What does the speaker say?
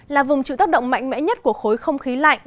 là vùng chịu tác động mạnh mẽ nhất của khối không khí lạnh